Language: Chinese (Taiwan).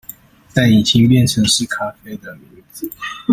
但已經變成是咖啡的名字